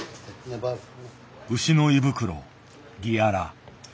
牛の胃袋ギアラ。